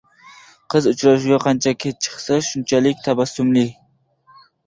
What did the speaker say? Qiz uchrashuvga qancha kech chiqsa, shunchalik tabassumli.